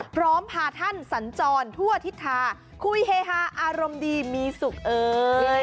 พาท่านสัญจรทั่วทิศทางคุยเฮฮาอารมณ์ดีมีสุขเอ่ย